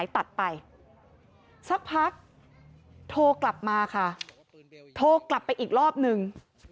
ตัดไปสักพักโทรกลับมาค่ะโทรกลับไปอีกรอบนึง